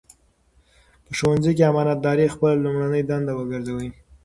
په ښوونځي کې امانتداري خپله لومړنۍ دنده وګرځوئ.